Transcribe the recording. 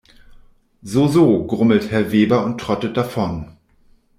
So so, grummelt Herr Weber und trottet davon.